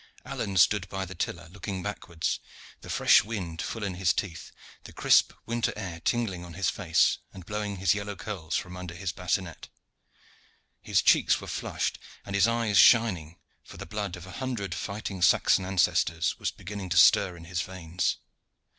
Alleyne stood by the tiller, looking backwards, the fresh wind full in his teeth, the crisp winter air tingling on his face and blowing his yellow curls from under his bassinet. His cheeks were flushed and his eyes shining, for the blood of a hundred fighting Saxon ancestors was beginning to stir in his veins.